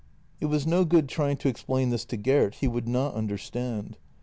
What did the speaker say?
It was no good trying to explain this to Gert; he would not understand.